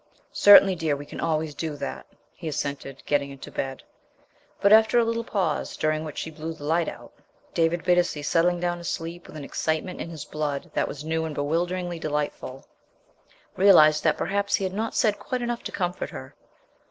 "Certainly, dear, we can always do that," he assented, getting into bed. But, after a little pause, during which she blew the light out, David Bittacy settling down to sleep with an excitement in his blood that was new and bewilderingly delightful, realized that perhaps he had not said quite enough to comfort her.